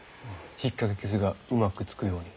ひっかき傷がうまくつくように。